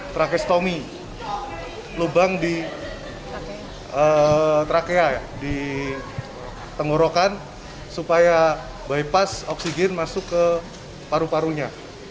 trakestomi lubang di trakea di tenggorokan supaya bypass oksigen masuk ke paru parunya